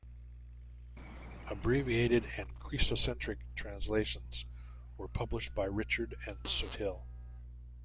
Abbreviated and "cristo-centric" translations were published by Richard and Soothill.